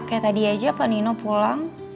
kayak tadi aja pak nino pulang